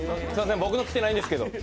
僕の来てないんですけど。